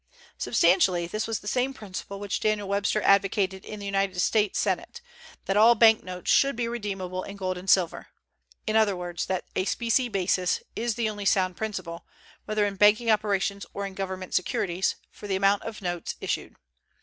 Substantially, this was the same principle which Daniel Webster advocated in the United States Senate, that all bank notes should be redeemable in gold and silver; in other words, that a specie basis is the only sound principle, whether in banking operations or in government securities, for the amount of notes issued.